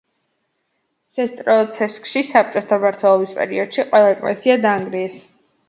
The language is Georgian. სესტრორეცკში საბჭოთა მმართველობის პერიოდში ყველა ეკლესია დაანგრიეს.